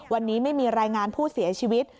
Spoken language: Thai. วันนี้ไม่มีรายงานผู้เสียชีวิต